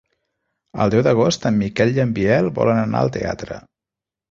El deu d'agost en Miquel i en Biel volen anar al teatre.